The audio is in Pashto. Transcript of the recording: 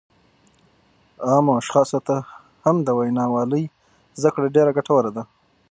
عامو اشخاصو ته هم د وینا والۍ زده کړه ډېره ګټوره ده